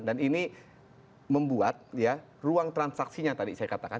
dan ini membuat ruang transaksinya tadi saya katakan